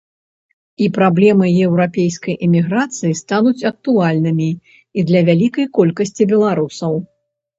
І праблемы еўрапейскай эміграцыі стануць актуальнымі і для вялікай колькасці беларусаў.